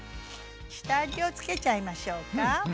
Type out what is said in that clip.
下味を付けちゃいましょうか。